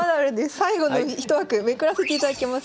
最後のひと枠めくらせていただきます。